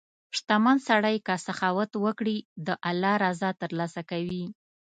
• شتمن سړی که سخاوت وکړي، د الله رضا ترلاسه کوي.